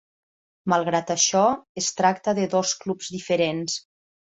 Malgrat això, es tracta de dos clubs diferents.